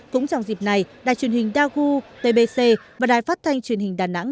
cũng trong dịp này đài truyền hình dagu tbc và đài phát thanh truyền hình đà nẵng